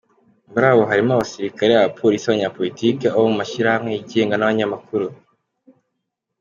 Muri bo harimo abasirikare, abapolisi, abanyapolitiki, abo mu mashyirahamwe yigenga, n’abanyamakuru.